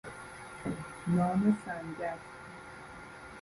نان سنگک